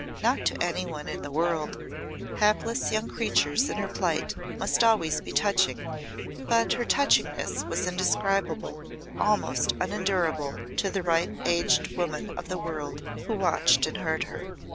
Not to any one in the world." Hapless young creatures in her plight must always be touching, but her touchingness was indescribable almost unendurable to the ripe aged woman of the world who watched and heard her.